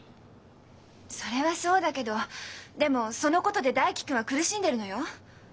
それはそうだけどでもそのことで大樹君は苦しんでるのよ。